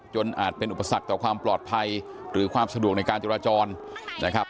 อาจเป็นอุปสรรคต่อความปลอดภัยหรือความสะดวกในการจราจรนะครับ